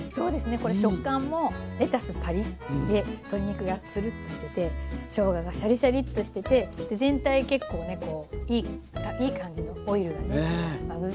これ食感もレタスパリッで鶏肉がツルッとしててしょうががシャリシャリとしてて全体結構ねこういい感じのオイルがね出て。